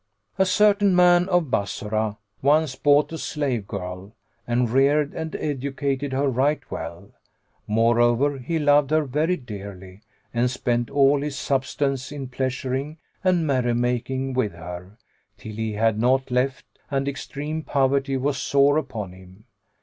A certain man of Bassorah once bought a slave girl and reared and educated her right well. Moreover, he loved her very dearly and spent all his substance in pleasuring and merry making with her, til he had naught left and extreme poverty was sore upon him.